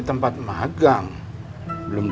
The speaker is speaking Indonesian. bapaknya gak mau nyanyi